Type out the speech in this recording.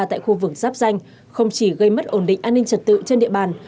tại khu vực giáp danh không chỉ gây mất ổn định an ninh trật tự trên địa bàn